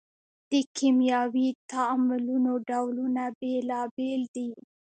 د کیمیاوي تعاملونو ډولونه بیلابیل دي.